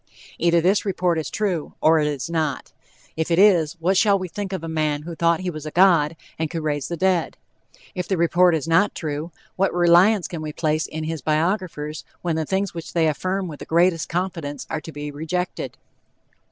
Either this report is true, or it is not. If it is, what shall we think of a man who thought he was a god and could raise the dead? If the report is not true, what reliance can we place in his biographers when the things which they affirm with the greatest confidence are to be rejected?